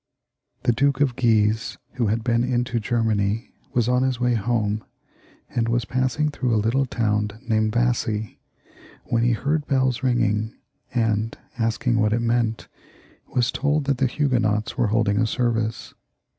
The Duke of Guise, who had been into Germany, was on his way home, and was passing through a little town named Vassy, when he heard bells ringing, and, asking what it meant, was told that the Huguenots were holding a service.